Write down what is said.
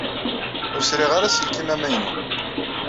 Ur sriɣ ara aselkim amaynu.